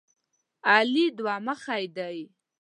علي دوه مخی دی.